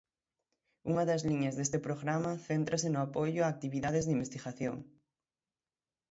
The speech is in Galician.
Unha das liñas deste programa céntrase no apoio a actividades de investigación.